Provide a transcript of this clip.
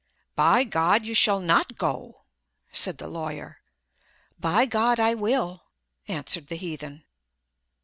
"By God, you shall not go!" said the lawyer. "By God, I will!" answered the heathen.